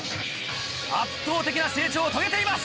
圧倒的な成長を遂げています！